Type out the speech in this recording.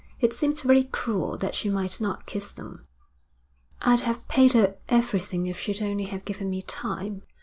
It seemed very cruel that she might not kiss them. 'I'd have paid her everything if she'd only have given me time.